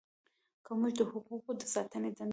که موږ د حقوقو د ساتنې دنده لرو.